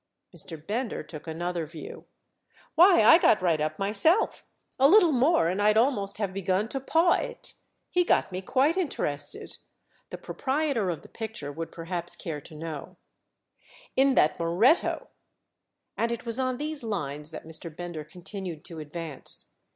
Mr. Bender took another view. "Why, I got right up myself—a little more and I'd almost have begun to paw it! He got me quite interested"—the proprietor of the picture would perhaps care to know—"in that Moretto." And it was on these lines that Mr. Bender continued to advance.